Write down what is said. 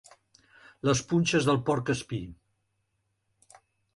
Les punxes del porc espí.